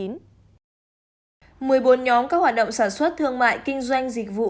một mươi bốn nhóm các hoạt động sản xuất thương mại kinh doanh dịch vụ